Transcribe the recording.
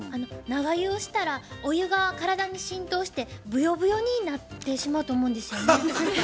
長湯をしたらお湯が体に浸透してブヨブヨになってしまうと思うんですよね。